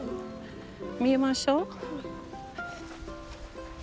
見ましょう。